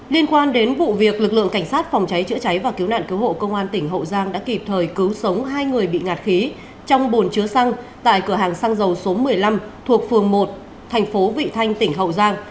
liên quan đến vụ việc lực lượng cảnh sát phòng cháy chữa cháy và cứu nạn cứu hộ công an tỉnh hậu giang đã kịp thời cứu sống hai người bị ngạt khí trong bồn chứa xăng tại cửa hàng xăng dầu số một mươi năm thuộc phường một thành phố vị thanh tỉnh hậu giang